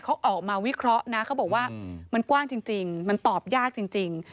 เขาออกมาวิเคราะห์นะเขาบอกว่ามันกว้างจริงมันตอบยากจริง